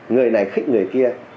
người này khích người kia